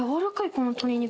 この鶏肉。